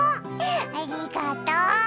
ありがとう。